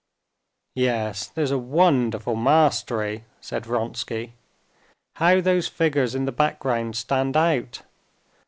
"Yes, there's a wonderful mastery!" said Vronsky. "How those figures in the background stand out!